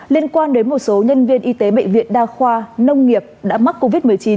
liên quan đến một số nhân viên y tế bệnh viện đa khoa nông nghiệp đã mắc covid một mươi chín